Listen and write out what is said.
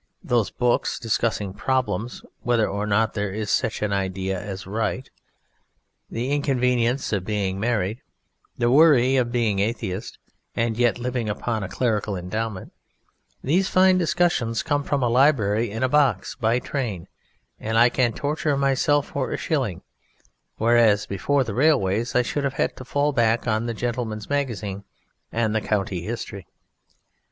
Those books discussing Problems: whether or not there is such an idea as right; the inconvenience of being married; the worry of being Atheist and yet living upon a clerical endowment, these fine discussions come from a library in a box by train and I can torture myself for a shilling, whereas, before the railways, I should have had to fall back on the Gentleman's Magazine and the County History.